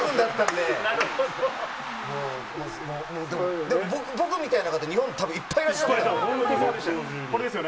でも、僕みたいな方、日本、たぶんいっぱいいらっしゃると思いますよ。